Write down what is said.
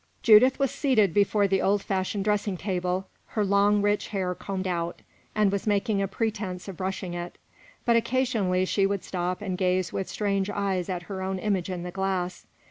Judith was seated before the old fashioned dressing table, her long, rich hair combed out, and was making a pretense of brushing it, but occasionally she would stop and gaze with strange eyes at her own image in the glass.